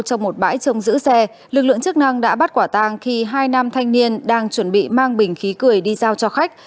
trong một bãi trông giữ xe lực lượng chức năng đã bắt quả tàng khi hai nam thanh niên đang chuẩn bị mang bình khí cười đi giao cho khách